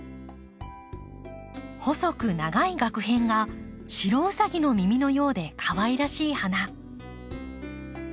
細く長いガク片が白うさぎの耳のようでかわいらしい花。